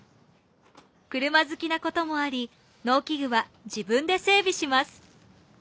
車好きな事もあり農機具は自分で整備します。